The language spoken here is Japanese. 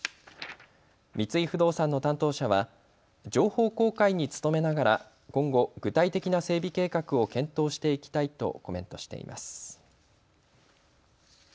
三井不動産の担当者は情報公開に努めながら今後、具体的な整備計画を検討していきたいとコメントしています。